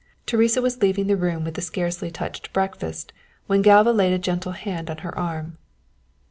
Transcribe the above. Teresa was leaving the room with the scarcely touched breakfast when Galva laid a gentle hand on her arm.